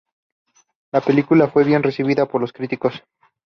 La película fue bien recibida por los críticos.